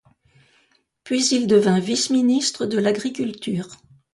Puis il devint vice-ministre de l'agriculture.